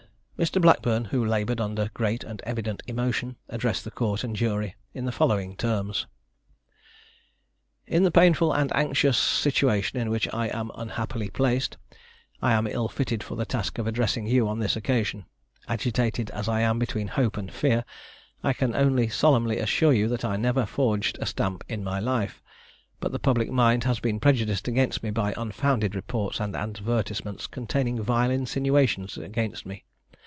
Mr. Blackburn, who laboured under great and evident emotion, addressed the Court and Jury in the following terms: "In the painful and anxious situation in which I am unhappily placed, I am ill fitted for the task of addressing you on this occasion. Agitated as I am between hope and fear, I can only solemnly assure you that I never forged a stamp in my life; but the public mind has been prejudiced against me by unfounded reports and advertisements, containing vile insinuations against me.